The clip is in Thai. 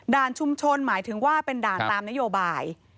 ชุมชนหมายถึงว่าเป็นด่านตามนโยบาย